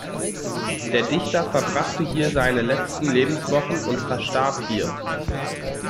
Der Dichter verbrachte hier seine letzten Lebenswochen und verstarb hier.